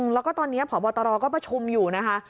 แล้วก็ตอนนี้พบตรก็ประชุมอยู่นะคะ